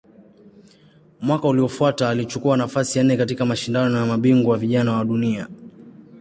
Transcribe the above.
Mwaka uliofuata alichukua nafasi ya nne katika Mashindano ya Mabingwa Vijana wa Dunia.